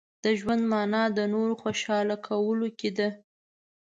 • د ژوند مانا د نورو خوشحاله کولو کې ده.